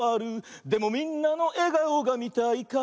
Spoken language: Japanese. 「でもみんなのえがおがみたいから」